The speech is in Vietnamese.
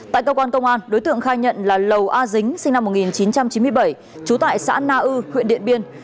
tại cơ quan công an đối tượng khai nhận là lầu a dính sinh năm một nghìn chín trăm chín mươi bảy trú tại xã na ư huyện điện biên